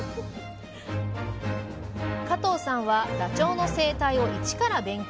加藤さんはダチョウの生態を一から勉強。